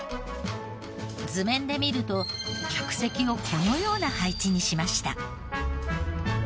図面で見ると客席をこのような配置にしました。